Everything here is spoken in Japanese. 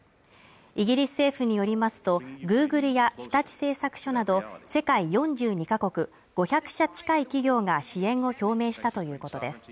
イギリス政府によりますと、グーグルや日立製作所など世界４２か国、５００社近い企業が支援を表明したということです。